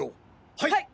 はい！